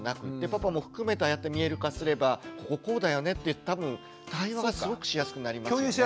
パパも含めてああやって見える化すれば「こここうだよね」って多分対話がすごくしやすくなりますよね。